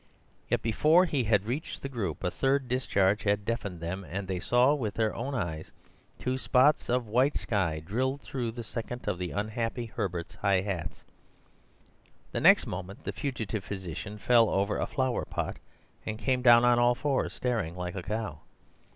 Yet before he had reached the group a third discharge had deafened them, and they saw with their own eyes two spots of white sky drilled through the second of the unhappy Herbert's high hats. The next moment the fugitive physician fell over a flowerpot, and came down on all fours, staring like a cow.